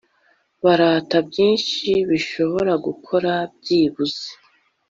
barata byinshi bishobora gukora byibuze